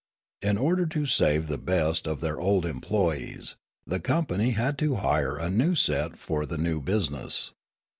In order to save the best of their old em ployees, the company had to hire a new set for the new business.